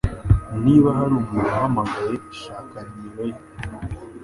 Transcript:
Niba hari umuntu uhamagaye, shaka numero ye